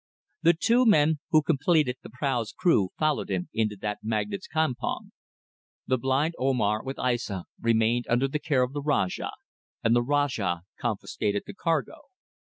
The two men who completed the prau's crew followed him into that magnate's campong. The blind Omar, with Aissa, remained under the care of the Rajah, and the Rajah confiscated the cargo.